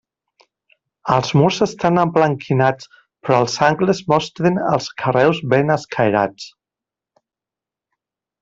Els murs estan emblanquinats però els angles mostren els carreus ben escairats.